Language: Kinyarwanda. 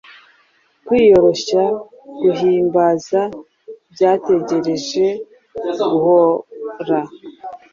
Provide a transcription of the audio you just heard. Kwiyorohya guhimbaza byategereje guohora